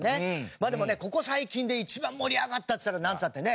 まあでもねここ最近で一番盛り上がったっつったらなんつったってね